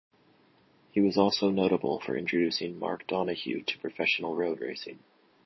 He also was notable for introducing Mark Donohue to professional road racing.